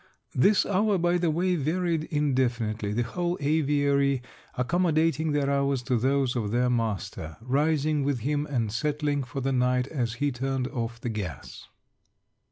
This hour, by the way, varied indefinitely; the whole aviary accommodating their hours to those of their master, rising with him and settling for the night as he turned off the gas.